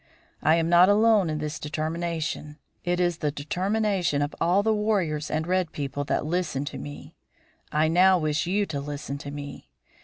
I am not alone in this determination; it is the determination of all the warriors and red people that listen to me. I now wish you to listen to me.